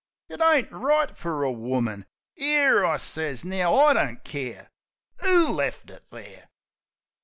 Tt ain't right fer a woman ..." "'Ere!" I sez. "Now, I don't care 'Ooleft it there!"